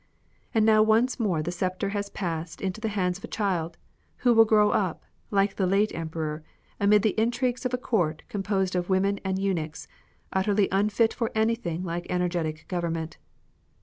And now once more the sceptre has passed into the hands of a child who will grow up, like the late Emperor, amid the intrigues of a Court composed of women and eunuchs, utterly unfit for anything like energetic government.